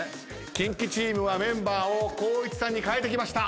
キンキチームはメンバーを光一さんに代えてきました。